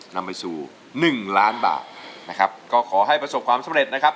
นำไปสู่หนึ่งล้านบาทนะครับก็ขอให้ประสบความสำเร็จนะครับ